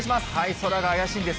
空が怪しいんです。